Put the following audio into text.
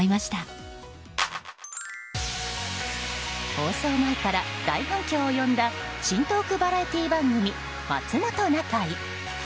放送前から大反響を呼んだ新トークバラエティー番組「まつもｔｏなかい」。